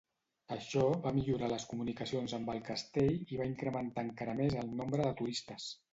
Això va millorar les comunicacions amb el castell i va incrementar encara més el nombre de turistes.